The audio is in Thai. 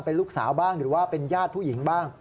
เป็นลูกสาวบ้างหรือว่าเป็นญาติผู้หญิงบ้าง